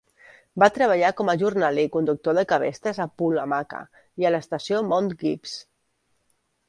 Va treballar com a jornaler i conductor de cabestres a Poolamacca i a l'estació Mount Gipps.